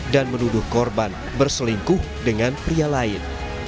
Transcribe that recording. dan menuduh korban berselingkuh dengan pria lain